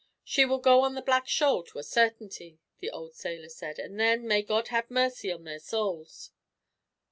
"She will go on the Black Shoal, to a certainty," the old sailor said; "and then, may God have mercy on their souls."